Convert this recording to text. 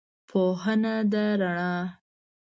پوهنه ده رڼا